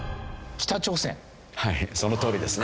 はいそのとおりですね。